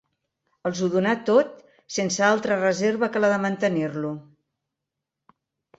Els ho donà tot sense altra reserva que la de mantenir-lo.